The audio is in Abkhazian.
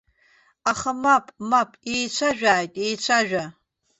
Аха, мап, мап, еицәажәааит, еицәажәа!